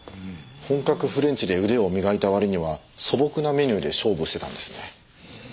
本格フレンチで腕を磨いた割には素朴なメニューで勝負してたんですね。